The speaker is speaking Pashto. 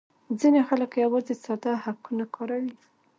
ځینې خلک یوازې ساده هکونه کاروي